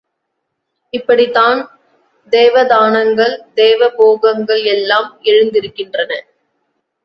இப்படித்தான் தேவதானங்கள், தேவபோகங்கள் எல்லாம் எழுந்திருக்கின்றன.